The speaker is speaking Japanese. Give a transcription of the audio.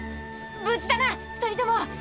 無事だな２人とも！